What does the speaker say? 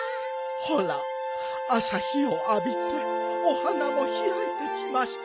ほらあさ日をあびてお花もひらいてきましたわよ。